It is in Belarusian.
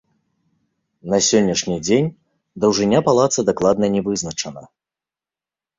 На сённяшні дзень даўжыня палаца дакладна не вызначана.